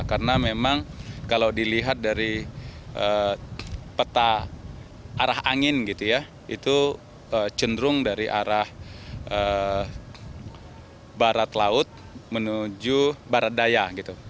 karena memang kalau dilihat dari peta arah angin gitu ya itu cenderung dari arah barat laut menuju barat daya gitu